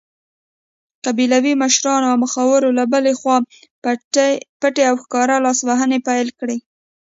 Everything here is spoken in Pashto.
قبیلوي مشرانو او مخورو له بلې خوا پټې او ښکاره لاسوهنې پیل کړې.